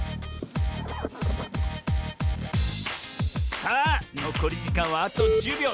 さあのこりじかんはあと１０びょう。